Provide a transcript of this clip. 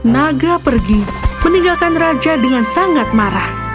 naga pergi meninggalkan raja dengan sangat marah